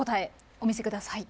お見せください。